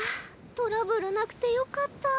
トラブルなくてよかった。